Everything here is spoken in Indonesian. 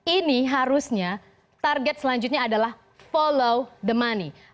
ini harusnya target selanjutnya adalah follow the money